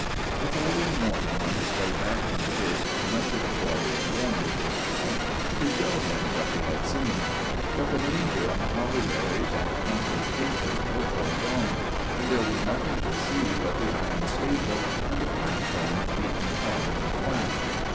"The following morning on his way back from church he went to the quarry again with his friend to show him what he had seen; but the manger and the holly berries and crumpled taper were all gone, and there was nothing to see but the iron staple and the platform beaten hard and flat."